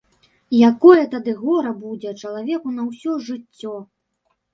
Якое тады гора будзе чалавеку на ўсё жыццё!